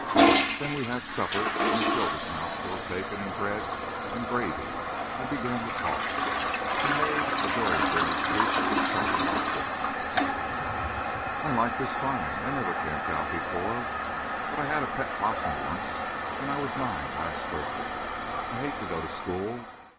Then we had supper; and he filled his mouth full of bacon and bread and gravy, and began to talk. He made a during dinner speech something like this: "I like this fine. I never camped out before; but I had a pet 'possum once, and I was nine last birthday. I hate to go to school.